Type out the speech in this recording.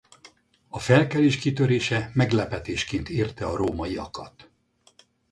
A felkelés kitörése meglepetésként érte a rómaiakat.